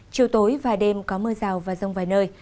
chiều tối và đêm có mưa rào và rông vài nơi